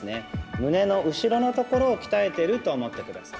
胸の後ろのところを鍛えてると思ってください。